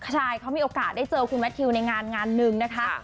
ใช่เขามีโอกาสได้เจอคุณแมททิวในงานงานหนึ่งนะคะ